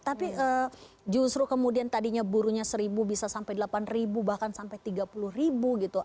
tapi justru kemudian tadinya buruhnya seribu bisa sampai delapan ribu bahkan sampai tiga puluh ribu gitu